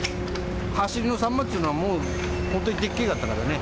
はしりのサンマっていうのは、もう本当にでっかかったからね。